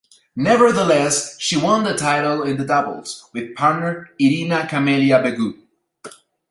Nevertheless, she won the title in the doubles, with partner Irina-Camelia Begu.